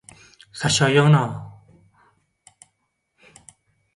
Saçagy ýygna!